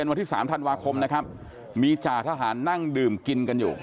เกิดขึ้นเย็นวันที่๓ธันวาคมมีจ่าทหารนั่งดื่มกินกันอยู่